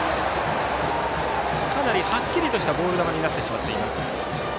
かなりはっきりとしたボール球になっています。